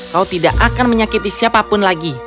kau tidak akan menyakiti siapapun lagi